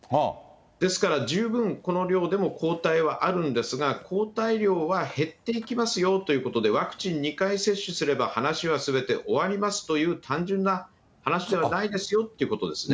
ですから十分、この量でも抗体はあるんですが、抗体量は減っていきますよということで、ワクチン２回接種すれば話はすべて終わりますという単純な話ではないですよっていうことですね。